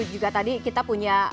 juga tadi kita punya